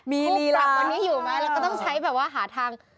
มีนิราคต์กูปรับตรงนี้อยู่ไหมแล้วก็ต้องใช้แบบว่าหาทาง